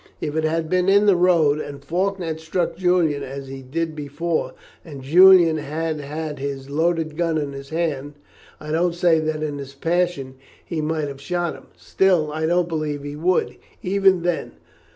If it had been in the road, and Faulkner had struck Julian as he did before, and Julian had had his loaded gun in his hand, I don't say but that in his passion he might have shot him; still, I don't believe he would, even then.